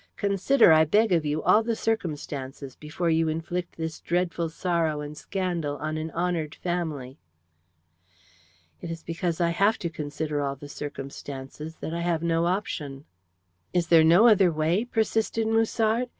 Consider, I beg of you, all the circumstances before you inflict this dreadful sorrow and scandal on an honoured family." "It is because I have to consider all the circumstances that I have no option." "Is there no other way?" persisted Musard.